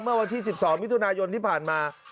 เมื่อวันที่๑๒มิถุนายนที่ผ่านมา